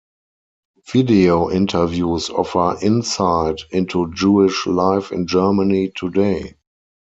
Video interviews offer insight into Jewish life in Germany today.